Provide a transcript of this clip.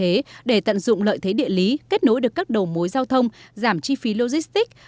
những giải pháp tình thế để tận dụng lợi thế địa lý kết nối được các đầu mối giao thông giảm chi phí logistic